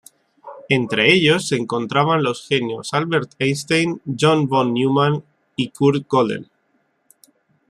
Entre ellos se encontraban los genios Albert Einstein, John von Neumann y Kurt Gödel.